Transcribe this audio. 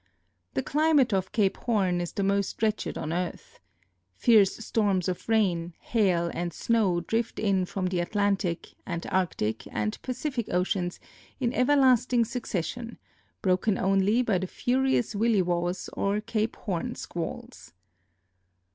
The climate of Cape Horn is the most wretched on earth. Fierce storms of rain, hail, and snow drift in from the Atlantic, Antarctic, and Pacific oceans in everlasting succession, broken only by the furious willi waws or Cape Horn squalls.